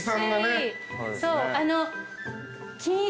そうあの。